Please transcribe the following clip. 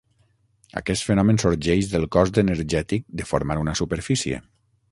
Aquest fenomen sorgeix del cost energètic de formar una superfície.